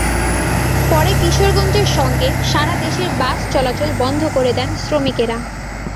পরে কিশোরগঞ্জের সঙ্গে সারা দেশের বাস চলাচল বন্ধ করে দেন শ্রমিকেরা।